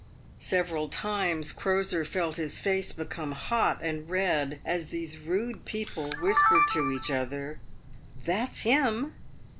Several times Crosier felt his face become hot and red as these rude people whispered to each other, "That's him!"